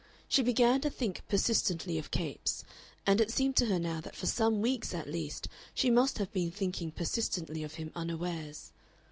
She began to think persistently of Capes, and it seemed to her now that for some weeks at least she must have been thinking persistently of him unawares.